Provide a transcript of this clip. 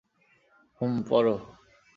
হুম, পড়ো।